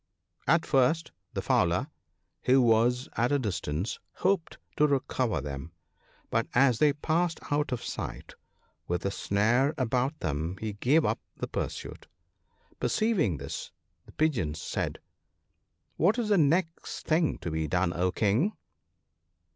At first the fowler, who was at a distance, hoped to recover them ; but as they passed out of sight with the snare about them he gave up the pursuit. Perceiving this, the Pigeons said, ' What is the next thing to be done, O King